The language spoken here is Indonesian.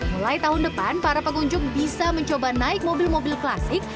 mulai tahun depan para pengunjung bisa mencoba naik mobil mobil klasik